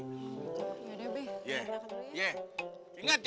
ya udah be berangkat dulu ya